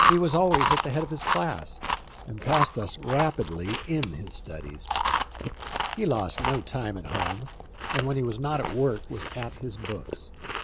He was always at the head of his class, and passed us rapidly in his studies. He lost no time at home, and when he was not at work was at his books.